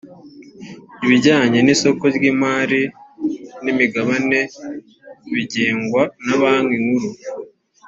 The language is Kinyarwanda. ibijyanye n’isoko ry’imari n’imigabane bigengwa na banki nkuru